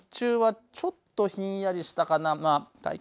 きょう日中はちょっとひんやりしたかな。